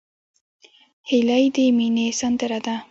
هیلۍ د مینې سندره ده